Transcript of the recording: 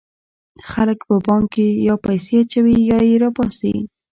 خلک په بانک کې یا پیسې اچوي یا یې را باسي.